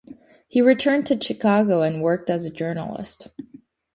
He returned to Chicago and worked as a journalist.